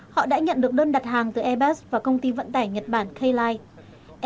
họ đã nhận được đơn đặt hàng từ airbus và công ty vận tải nhật bản k line